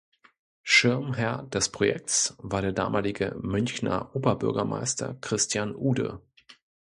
Schirmherr des Projekts war der damalige Münchner Oberbürgermeister Christian Ude.